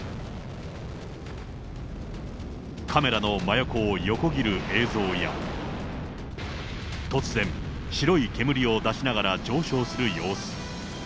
カメラの真横を横切る映像や、突然、白い煙を出しながら上昇する様子。